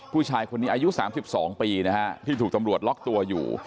ผู้ชายคนนี้อายุ๓๒ปีนะฮะที่ถูกตำรวจล็อกตัวอยู่